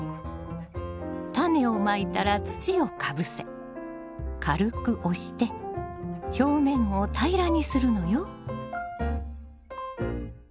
タネをまいたら土をかぶせ軽く押して表面を平らにするのよ。